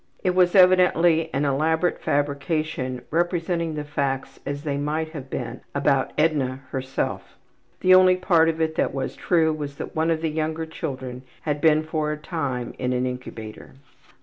It was evidently an elaborate fabrication representing the facts as they might have been about Edna herself. The only part of it that was true was that one of the younger children had been for a time in an incubator.